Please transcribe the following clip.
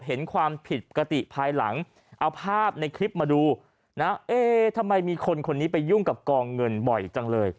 เห็นความผิดปกติภายหลังเอาภาพในคลิปมาดูนะเอ๊ทำไมมีคนคนนี้ไปยุ่งกับกองเงินบ่อยจังเลย